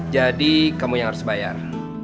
jadi kamu yang harus bayar